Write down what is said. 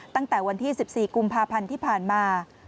ตั้งแต่วันที่๑๔กุมภาพันธ์ที่ผ่านมา